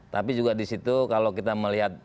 tapi juga disitu kalau kita melihat